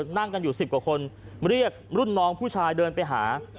นั่งกันอยู่๑๐กว่าคนเรียกรุ่นน้องผู้ชายเดินไปหา